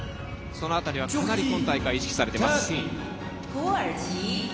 その辺りは、かなり今大会意識されています。